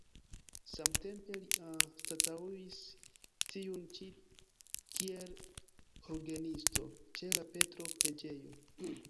Samtempe li anstataŭis tiun ĉi kiel orgenisto ĉe la Petro-preĝejo.